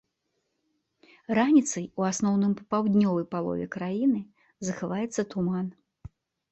Раніцай у асноўным па паўднёвай палове краіны захаваецца туман.